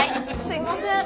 すいません。